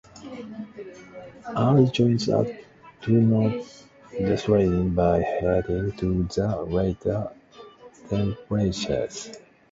Early joints are thus not destroyed by heating to the later temperatures.